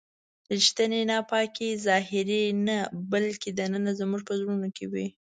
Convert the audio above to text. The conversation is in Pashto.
ریښتینې ناپاکي ظاهري نه بلکې دننه زموږ په زړونو کې وي.